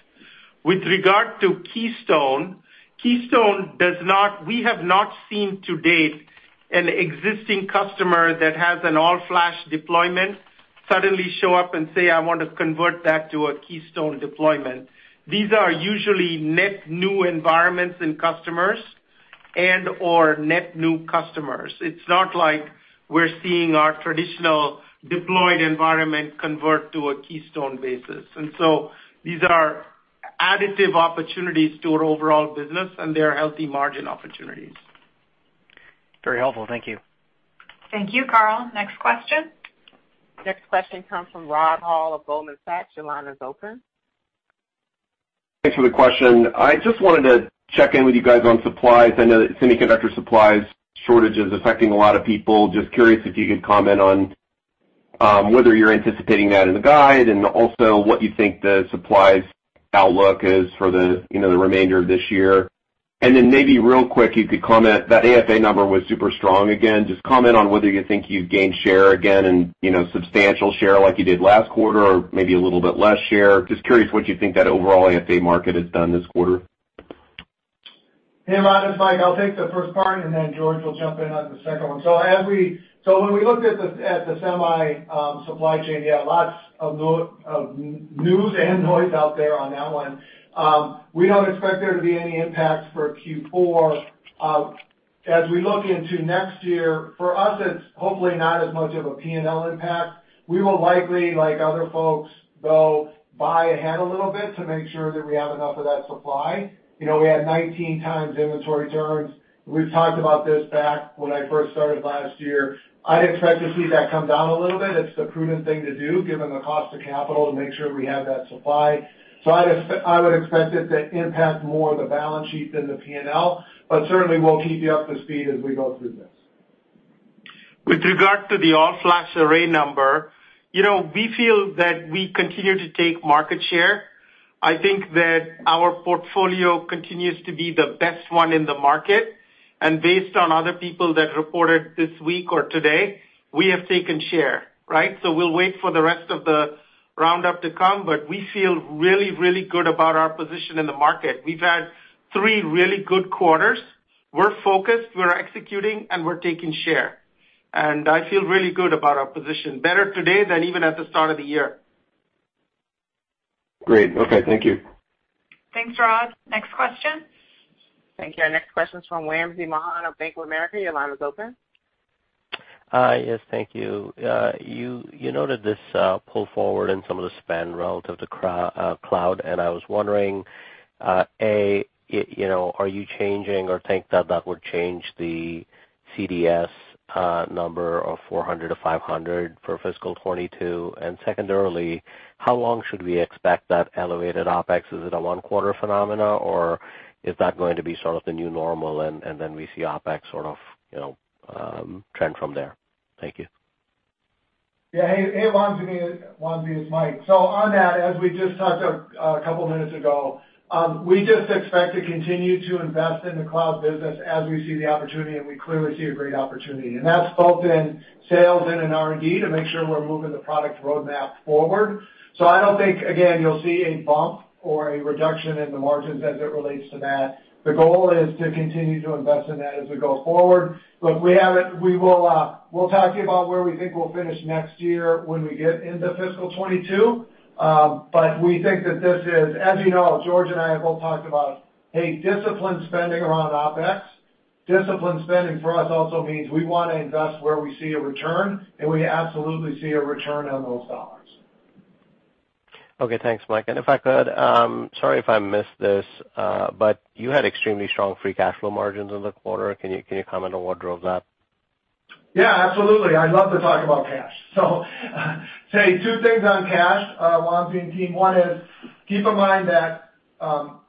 With regard to Keystone, we have not seen to date an existing customer that has an all-flash deployment suddenly show up and say, "I want to convert that to a Keystone deployment." These are usually net new environments and customers and/or net new customers. It's not like we're seeing our traditional deployed environment convert to a Keystone basis. These are additive opportunities to our overall business, and they're healthy margin opportunities. Very helpful. Thank you. Thank you, Karl. Next question. Next question comes from Rod Hall of Goldman Sachs. Your line is open. Thanks for the question. I just wanted to check in with you guys on supplies. I know that semiconductor supplies shortage is affecting a lot of people. Just curious if you could comment on whether you're anticipating that in the guide and also what you think the supplies outlook is for the remainder of this year. Maybe real quick, you could comment that AFA number was super strong again. Just comment on whether you think you've gained share again and substantial share like you did last quarter or maybe a little bit less share. Just curious what you think that overall AFA market has done this quarter. Hey, it's Mike. I'll take the first part, and then George will jump in on the second one. When we looked at the semi supply chain, yeah, lots of news and noise out there on that one. We don't expect there to be any impact for Q4. As we look into next year, for us, it's hopefully not as much of a P&L impact. We will likely, like other folks, go buy ahead a little bit to make sure that we have enough of that supply. We had 19 times inventory turns. We've talked about this back when I first started last year. I'd expect to see that come down a little bit. It's the prudent thing to do given the cost of capital to make sure we have that supply. I would expect it to impact more the balance sheet than the P&L, but certainly, we'll keep you up to speed as we go through this. With regard to the all-flash array number, we feel that we continue to take market share. I think that our portfolio continues to be the best one in the market. Based on other people that reported this week or today, we have taken share, right? We will wait for the rest of the roundup to come, but we feel really, really good about our position in the market. We have had three really good quarters. We are focused. We are executing, and we are taking share. I feel really good about our position, better today than even at the start of the year. Great. Okay. Thank you. Thanks, Rod. Next question. Thank you. Our next question is from Wamsi Mohan of Bank of America. Your line is open. Yes. Thank you. You noted this pull forward in some of the spend relative to cloud, and I was wondering, A, are you changing or think that that would change the CDS number of 400-500 for fiscal 2022? And secondarily, how long should we expect that elevated OpEx? Is it a one-quarter phenomena, or is that going to be sort of the new normal, and then we see OpEx sort of trend from there? Thank you. Yeah. Hey, Wamsi. It's Mike. On that, as we just talked a couple of minutes ago, we just expect to continue to invest in the cloud business as we see the opportunity, and we clearly see a great opportunity. That is both in sales and in R&D to make sure we're moving the product roadmap forward. I don't think, again, you'll see a bump or a reduction in the margins as it relates to that. The goal is to continue to invest in that as we go forward. Look, we will talk to you about where we think we'll finish next year when we get into fiscal 2022, but we think that this is, as you know, George and I have both talked about, hey, disciplined spending around OpEx. Disciplined spending for us also means we want to invest where we see a return, and we absolutely see a return on those dollars. Okay. Thanks, Mike. If I could—sorry if I missed this—but you had extremely strong free cash flow margins in the quarter. Can you comment on what drove that? Yeah. Absolutely. I love to talk about cash. Say two things on cash while I'm thinking. One is keep in mind that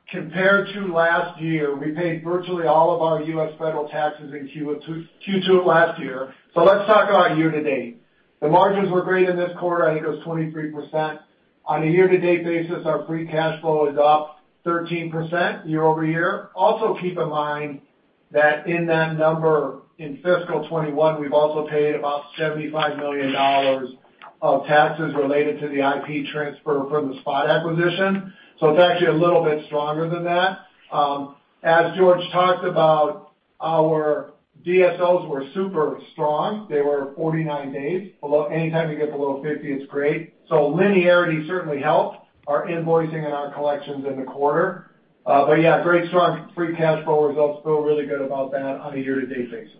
compared to last year, we paid virtually all of our U.S. federal taxes in Q2 last year. Let's talk about year to date. The margins were great in this quarter. I think it was 23%. On a year-to-date basis, our free cash flow is up 13% year over year. Also, keep in mind that in that number in fiscal 2021, we've also paid about $75 million of taxes related to the IP transfer from the Spot acquisition. It's actually a little bit stronger than that. As George talked about, our DSOs were super strong. They were 49 days. Anytime you get below 50, it's great. Linearity certainly helped our invoicing and our collections in the quarter. Yeah, great strong free cash flow results. Feel really good about that on a year-to-date basis.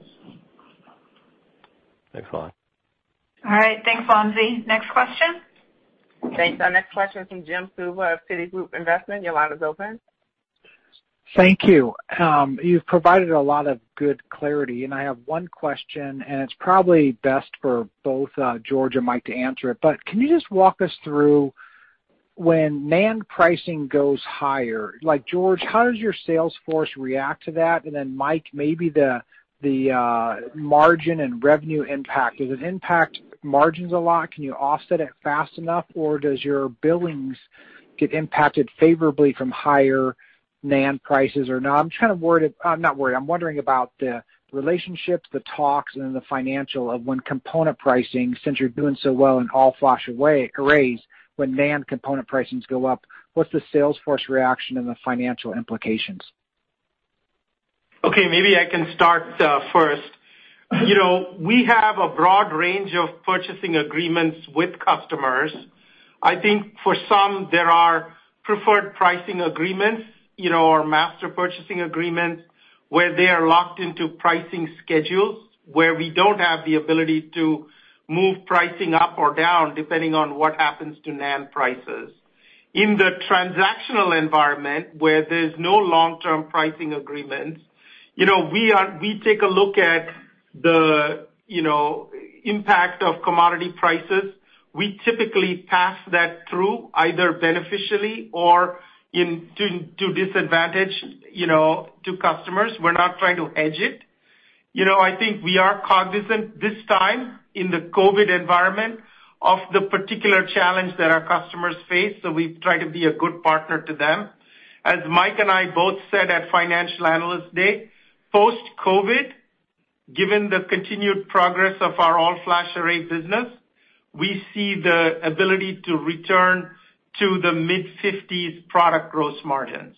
Thanks, Mike. All right. Thanks, Wamsi. Next question. Thanks. Our next question is from Jim Suva of Citigroup Investment. Your line is open. Thank you. You've provided a lot of good clarity, and I have one question, and it's probably best for both George and Mike to answer it. Can you just walk us through when NAND pricing goes higher? George, how does your sales force react to that? Mike, maybe the margin and revenue impact. Does it impact margins a lot? Can you offset it fast enough, or does your billings get impacted favorably from higher NAND prices or not? I'm kind of worried—I am not worried. I am wondering about the relationship, the talks, and then the financial of when component pricing, since you're doing so well in all-flash arrays, when NAND component pricings go up, what's the sales force reaction and the financial implications? Okay. Maybe I can start first. We have a broad range of purchasing agreements with customers. I think for some, there are preferred pricing agreements or master purchasing agreements where they are locked into pricing schedules, where we do not have the ability to move pricing up or down depending on what happens to NAND prices. In the transactional environment, where there is no long-term pricing agreements, we take a look at the impact of commodity prices. We typically pass that through either beneficially or to disadvantage to customers. We are not trying to edge it. I think we are cognizant this time in the COVID environment of the particular challenge that our customers face. We try to be a good partner to them. As Mike and I both said at financial analyst day, post-COVID, given the continued progress of our all-flash array business, we see the ability to return to the mid-50s product gross margins.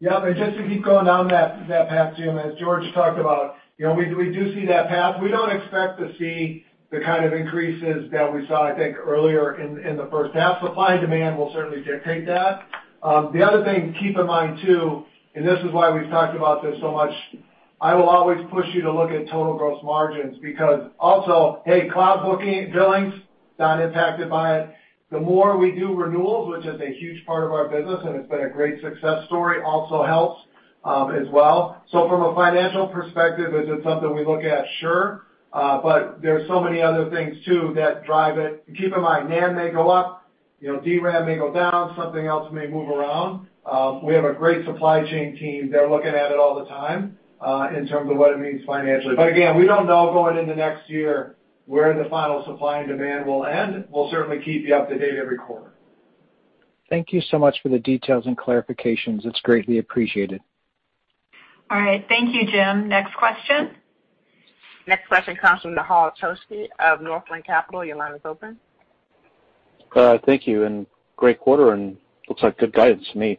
Yeah. Just to keep going down that path, Jim, as George talked about, we do see that path. We do not expect to see the kind of increases that we saw, I think, earlier in the first half. Supply and demand will certainly dictate that. The other thing to keep in mind too, and this is why we have talked about this so much, I will always push you to look at total gross margins because also, hey, cloud billings got impacted by it. The more we do renewals, which is a huge part of our business, and it has been a great success story, also helps as well. From a financial perspective, is it something we look at? Sure. There are so many other things too that drive it. Keep in mind, NAND may go up, DRAM may go down, something else may move around. We have a great supply chain team. They're looking at it all the time in terms of what it means financially. Again, we don't know going into next year where the final supply and demand will end. We'll certainly keep you up to date every quarter. Thank you so much for the details and clarifications. It's greatly appreciated. All right. Thank you, Jim. Next question. Next question comes from Nehal Chokshi of Northland Capital. Your line is open. Thank you. Great quarter and looks like good guidance to me.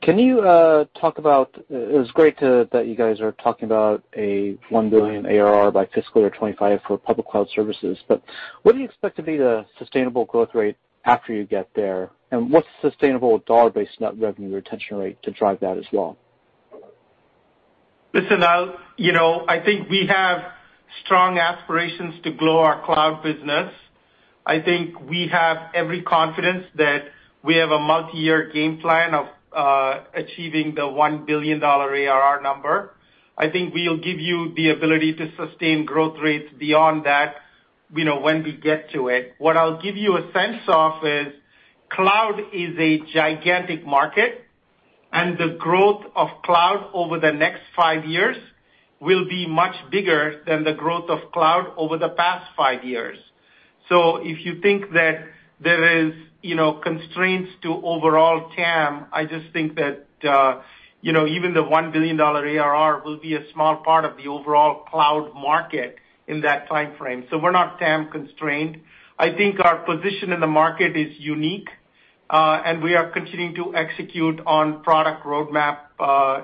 Can you talk about it was great that you guys are talking about a $1 billion ARR by fiscal year 2025 for public cloud services. What do you expect to be the sustainable growth rate after you get there? What's sustainable dollar-based net revenue retention rate to drive that as well? Listen, I think we have strong aspirations to grow our cloud business. I think we have every confidence that we have a multi-year game plan of achieving the $1 billion ARR number. I think we'll give you the ability to sustain growth rates beyond that when we get to it. What I'll give you a sense of is cloud is a gigantic market, and the growth of cloud over the next five years will be much bigger than the growth of cloud over the past five years. If you think that there are constraints to overall TAM, I just think that even the $1 billion ARR will be a small part of the overall cloud market in that timeframe. We're not TAM-constrained. I think our position in the market is unique, and we are continuing to execute on product roadmap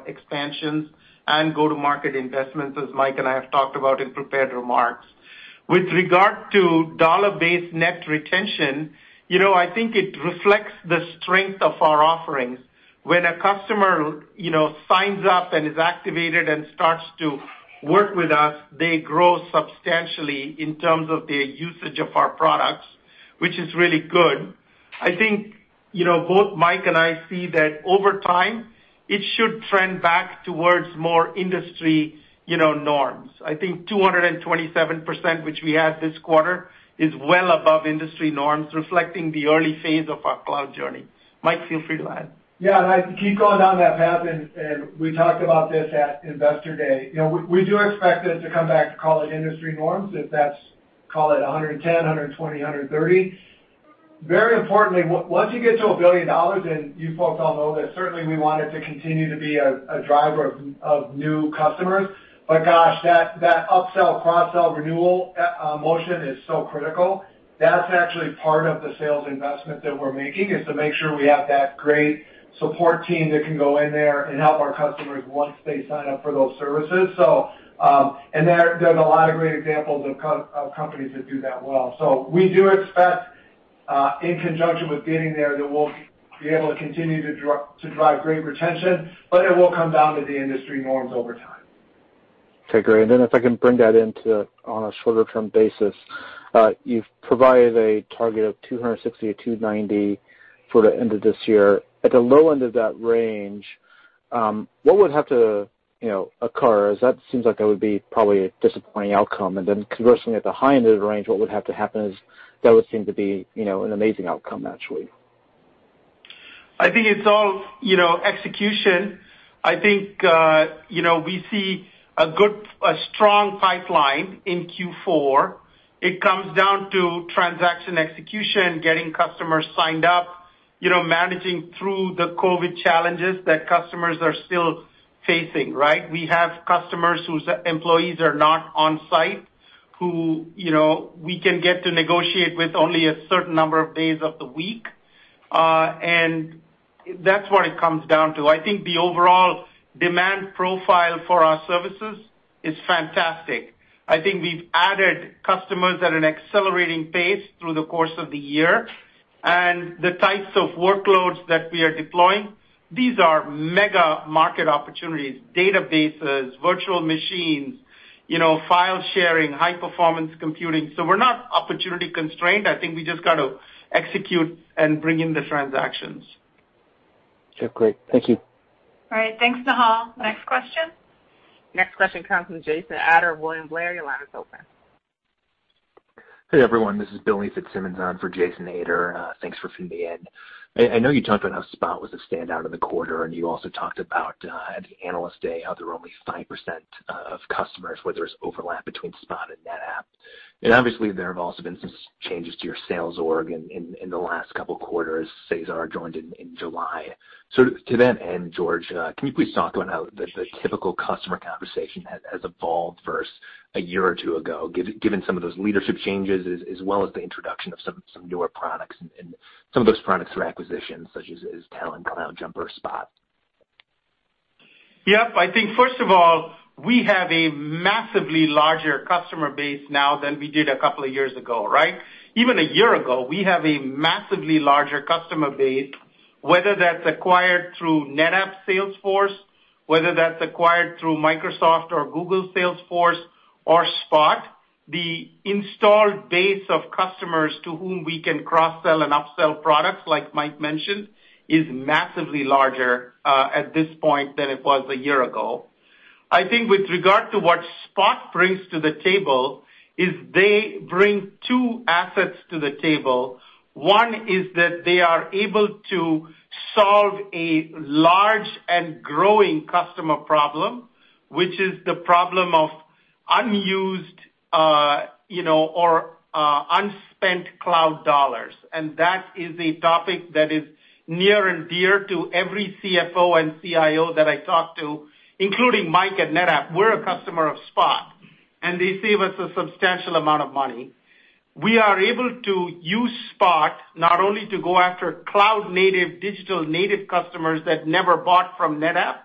expansions and go-to-market investments, as Mike and I have talked about in prepared remarks. With regard to dollar-based net retention, I think it reflects the strength of our offerings. When a customer signs up and is activated and starts to work with us, they grow substantially in terms of their usage of our products, which is really good. I think both Mike and I see that over time, it should trend back towards more industry norms. I think 227%, which we had this quarter, is well above industry norms, reflecting the early phase of our cloud journey. Mike, feel free to add. Yeah. Keep going down that path. We talked about this at investor day. We do expect it to come back to, call it, industry norms if that's, call it, 110, 120, 130. Very importantly, once you get to $1 billion, and you folks all know this, certainly we want it to continue to be a driver of new customers. Gosh, that upsell, cross-sell renewal motion is so critical. That's actually part of the sales investment that we're making, to make sure we have that great support team that can go in there and help our customers once they sign up for those services. There are a lot of great examples of companies that do that well. We do expect, in conjunction with getting there, that we'll be able to continue to drive great retention, but it will come down to the industry norms over time. Okay. Great. If I can bring that in on a shorter-term basis, you've provided a target of 260-290 for the end of this year. At the low end of that range, what would have to occur? That seems like that would be probably a disappointing outcome. Conversely, at the high end of the range, what would have to happen? That would seem to be an amazing outcome, actually. I think it's all execution. I think we see a good, strong pipeline in Q4. It comes down to transaction execution, getting customers signed up, managing through the COVID challenges that customers are still facing, right? We have customers whose employees are not on-site who we can get to negotiate with only a certain number of days of the week. That's what it comes down to. I think the overall demand profile for our services is fantastic. I think we've added customers at an accelerating pace through the course of the year. The types of workloads that we are deploying, these are mega market opportunities, databases, virtual machines, file sharing, high-performance computing. We're not opportunity constrained. I think we just got to execute and bring in the transactions. Okay. Great. Thank you. All right. Thanks, Nehal. Next question. Next question comes from Jason Ader William Blair. Your line is open. Hey, everyone. This is Billy Fitzsimmons on for Jason Ader. Thanks for tuning in. I know you talked about how Spot was a standout in the quarter, and you also talked about at the analyst day how there were only 5% of customers, where there was overlap between Spot and NetApp. Obviously, there have also been some changes to your sales org in the last couple of quarters. Cesar joined in July. To that end, George, can you please talk about how the typical customer conversation has evolved versus a year or two ago, given some of those leadership changes as well as the introduction of some newer products and some of those products through acquisitions such as Talon, CloudJumper, Spot? Yep. I think first of all, we have a massively larger customer base now than we did a couple of years ago, right? Even a year ago, we have a massively larger customer base, whether that's acquired through NetApp Salesforce, whether that's acquired through Microsoft or Google Salesforce or Spot. The installed base of customers to whom we can cross-sell and upsell products, like Mike mentioned, is massively larger at this point than it was a year ago. I think with regard to what Spot brings to the table is they bring two assets to the table. One is that they are able to solve a large and growing customer problem, which is the problem of unused or unspent cloud dollars. That is a topic that is near and dear to every CFO and CIO that I talk to, including Mike at NetApp. We're a customer of Spot, and they save us a substantial amount of money. We are able to use Spot not only to go after cloud-native digital-native customers that never bought from NetApp,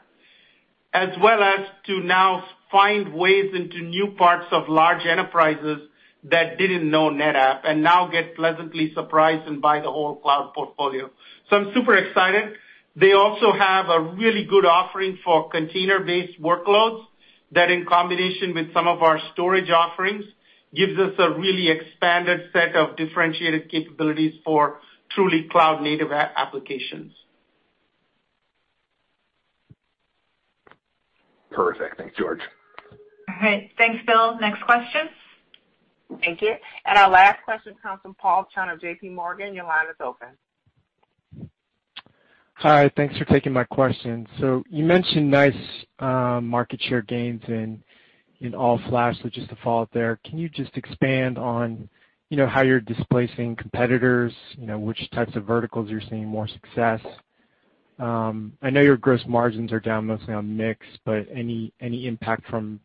as well as to now find ways into new parts of large enterprises that didn't know NetApp and now get pleasantly surprised and buy the whole cloud portfolio. I'm super excited. They also have a really good offering for container-based workloads that, in combination with some of our storage offerings, gives us a really expanded set of differentiated capabilities for truly cloud-native applications. Perfect. Thanks, George. All right. Thanks, Bill. Next question. Thank you. Our last question comes from Paul Chung of JPMorgan. Your line is open. Hi. Thanks for taking my question. You mentioned nice market share gains in all-flash, just to follow up there, can you just expand on how you're displacing competitors, which types of verticals you're seeing more success? I know your gross margins are down mostly on mix, but any impact from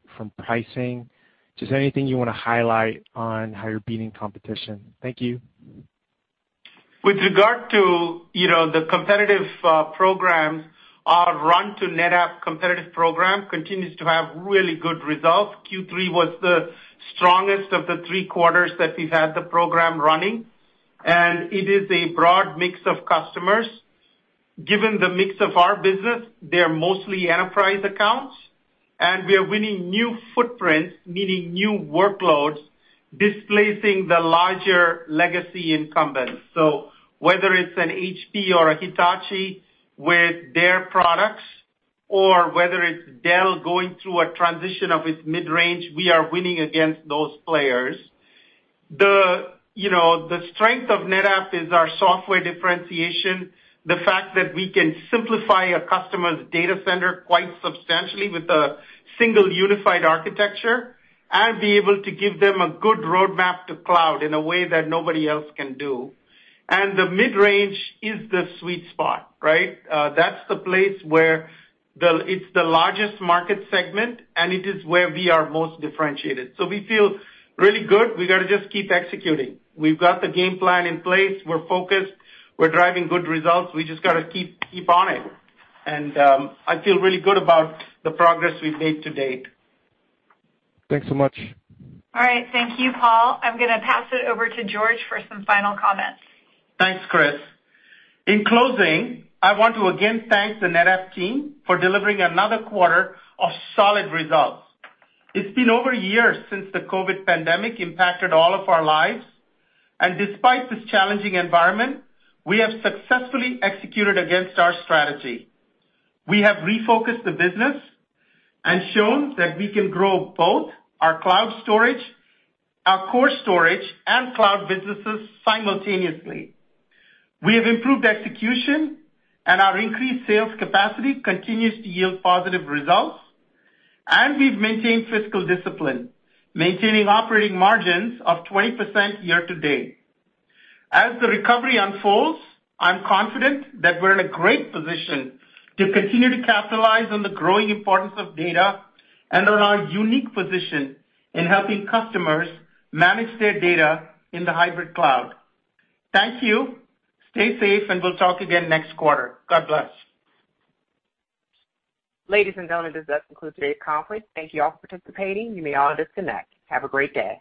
pricing? Just anything you want to highlight on how you're beating competition? Thank you. With regard to the competitive programs, our run-to-NetApp competitive program continues to have really good results. Q3 was the strongest of the three quarters that we've had the program running. It is a broad mix of customers. Given the mix of our business, they're mostly enterprise accounts. We are winning new footprints, meaning new workloads, displacing the larger legacy incumbents. Whether it's an HP or a Hitachi with their products, or whether it's Dell going through a transition of its mid-range, we are winning against those players. The strength of NetApp is our software differentiation, the fact that we can simplify a customer's data center quite substantially with a single unified architecture, and be able to give them a good roadmap to cloud in a way that nobody else can do. The mid-range is the sweet spot, right? That's the place where it's the largest market segment, and it is where we are most differentiated. We feel really good. We got to just keep executing. We have the game plan in place. We're focused. We're driving good results. We just got to keep on it. I feel really good about the progress we've made to date. Thanks so much. All right. Thank you, Paul. I'm going to pass it over to George for some final comments. Thanks, Kris. In closing, I want to again thank the NetApp team for delivering another quarter of solid results. It's been over a year since the COVID pandemic impacted all of our lives. Despite this challenging environment, we have successfully executed against our strategy. We have refocused the business and shown that we can grow both our cloud storage, our core storage, and cloud businesses simultaneously. We have improved execution, and our increased sales capacity continues to yield positive results. We've maintained fiscal discipline, maintaining operating margins of 20% year-to-date. As the recovery unfolds, I'm confident that we're in a great position to continue to capitalize on the growing importance of data and on our unique position in helping customers manage their data in the hybrid cloud. Thank you. Stay safe, and we'll talk again next quarter. God bless. Ladies and gentlemen, this does conclude today's conference. Thank you all for participating. You may all disconnect. Have a great day.